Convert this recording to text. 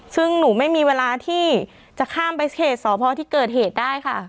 ซึ่งหนูไม่มีเวลาที่จะข้ามไปเขตสพที่เกิดเหตุได้ค่ะ